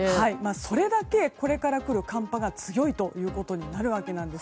それだけこれから来る寒波が強いということになるわけです。